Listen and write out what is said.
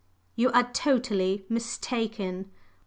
"You are totally mistaken!